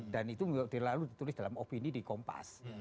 dan itu dia lalu ditulis dalam opini di kompas